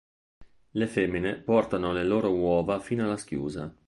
Le femmine portano le loro uova fino alla schiusa.